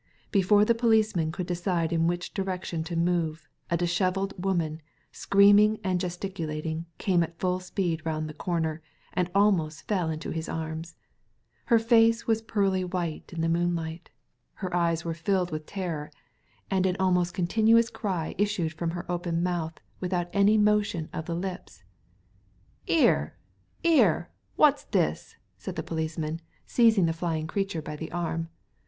Before the policeman could decide in which direc tion to move, a dishevelled woman, screaming and gesticulating, came at full speed round the corner, and almost fell into his arms. Her face was pearly white in the moonlight, her eyes were filled with Digitized by Google TRAGEDY OF THE STRANGE ROOM 3 terror, and an almost continuous cry issued from her open mouth without any motion of the lips. '"'Erel 'ere, wofs this?" said the policeman, seizing the flying creature by the arm.